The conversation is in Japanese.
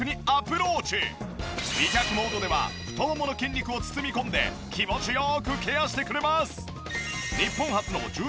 美脚モードでは太ももの筋肉を包み込んで気持ち良くケアしてくれます。